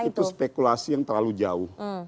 jadi itu spekulasi yang terlalu jauh